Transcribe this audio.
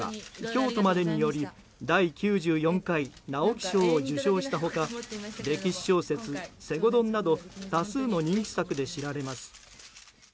「京都まで」により第９４回直木賞を受賞した他歴史小説「西郷どん」など多数の人気作で知られます。